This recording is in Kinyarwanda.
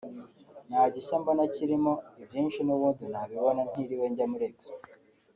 nta gishya mbona kirimo ibyinshi n’ubundi nabibona ntiriwe njya muri Expo